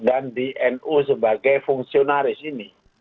dan di nu sebagai fungsionaris ini